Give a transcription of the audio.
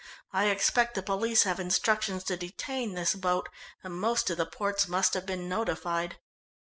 I expect the police have instructions to detain this boat, and most of the ports must have been notified."